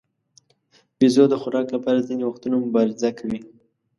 بیزو د خوراک لپاره ځینې وختونه مبارزه کوي.